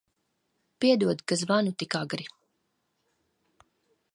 Piedod, ka zvanu tik agri.